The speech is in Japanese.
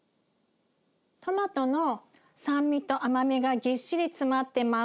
トマトの酸味と甘みがぎっしり詰まってます。